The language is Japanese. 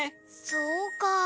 そうか！